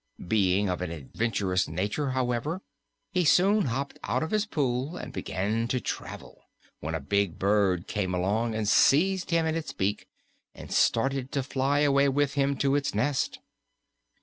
Being of an adventurous nature, however, he soon hopped out of his pool and began to travel, when a big bird came along and seized him in its beak and started to fly away with him to its nest.